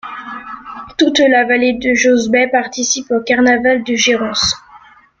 Toute la vallée de Josbaig participe au carnaval de Géronce.